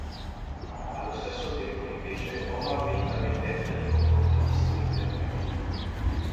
Allo stesso tempo, invece, Omar medita vendetta nei confronti di Stringer Bell.